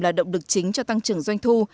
là động lực chính cho tăng trưởng doanh thu